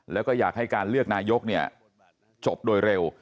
แล้วก็อยากให้การเลือกนายกจบโดยเร็ว